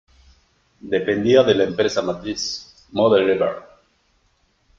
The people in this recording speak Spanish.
Dependía de la empresa matriz Model-Iber.